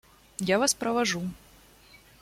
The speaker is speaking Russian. Я вас провожу.